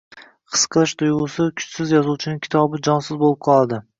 His qilish tuyg‘usi kuchsiz yozuvchining kitobi jonsiz bo‘lib qoladi.